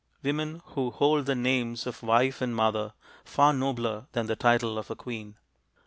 Women who hold the names of wife and mother, Far nobler than the title of a Queen.